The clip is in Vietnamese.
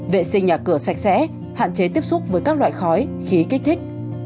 vệ sinh nhà cửa sạch sẽ hạn chế tiếp xúc với các loại khói khí kích thích